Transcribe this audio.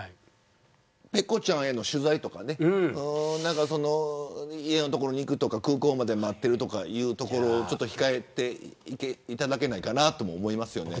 ｐｅｃｏちゃんへの取材とか家の所に行くとか空港まで待ってるとかいうところ控えていただけないかなと思いますよね。